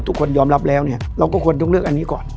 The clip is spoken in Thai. ทุกคนยอมรับแล้วเนี่ยเราก็ควรต้องเลือกอันนี้ก่อน